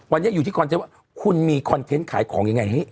วันใหญ่อยู่ที่ความเจ๋มว่าคุณมีคอนเทนต์ขายของยังไง